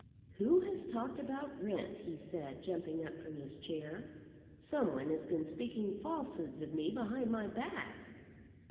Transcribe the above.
"Who has talked about rent?" he said, jumping up from his chair. "Some one has been speaking falsehoods of me behind my back."